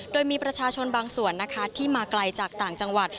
โดยมีประชาชนบางส่วนนะคะที่มาไกลจากต่างจังหวัด